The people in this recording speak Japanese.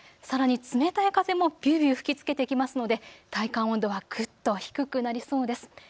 さらに冷たい風もびゅーびゅー吹きつけてきますので体感温度はぐっと低くなりそうです。